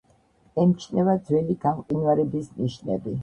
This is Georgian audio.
ემჩნევა ძველი გამყინვარების ნიშნები.